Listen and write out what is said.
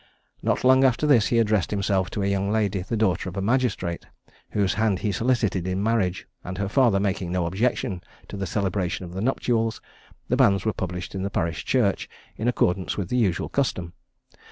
Not long after this, he addressed himself to a young lady, the daughter of a magistrate, whose hand he solicited in marriage; and her father making no objection to the celebration of the nuptials, the banns were published in the parish church, in accordance with the usual custom.